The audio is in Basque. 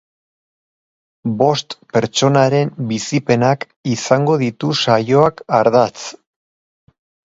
Bost pertsonaren bizipenak izango ditu saioak ardatz.